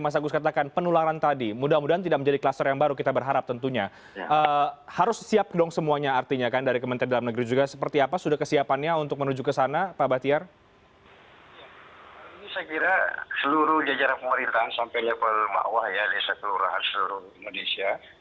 mas agus melas dari direktur sindikasi pemilu demokrasi